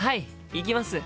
行きます！